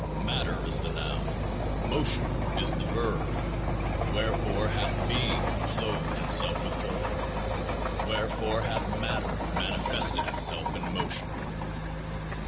Matter is the Noun ; Motion is the Verb. Wherefore hath Being clothed itself with Form? Wherefore hath Matter manifested itself in Motion?